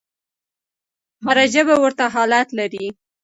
هره ژبه ورته حالت لري.